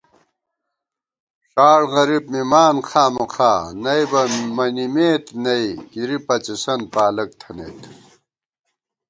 ݭاڑ غریب مِمان خامَخا، نئیبہ منِمېت نئ گِرِی، پڅِسن پالَک تھنَئیت